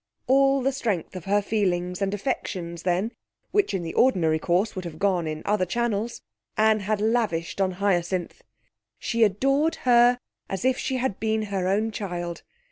All the strength of her feelings and affections, then, which in the ordinary course would have gone in other channels, Anne had lavished on Hyacinth. She adored her as if she had been her own child.